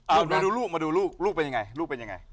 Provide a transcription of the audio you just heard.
เอามาดูลูกมาดูลูกลูกเป็นยังไงลูกเป็นยังไง